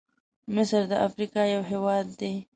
مصرد افریقا یو هېواد دی.